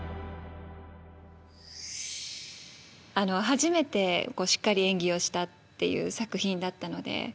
初めてしっかり演技をしたっていう作品だったので。